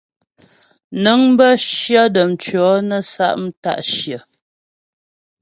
Nəŋ bə́ cyə dəm tʉɔ̂ nə́ sa' mta'shyə̂.